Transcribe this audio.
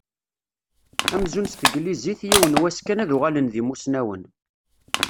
Amzun s teglizit, yiwen wass kan ad uɣalen d imusnawen.